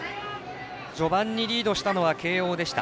序盤にリードしたのは慶応でした。